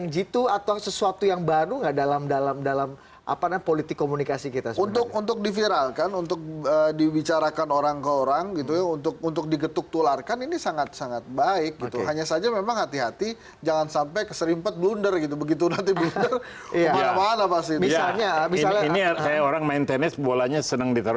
jokowi dan sandi